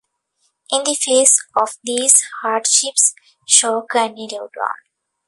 In the face of these hardships, Shaw continued on.